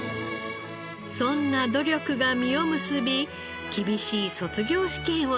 そんな努力が実を結び厳しい卒業試験を突破。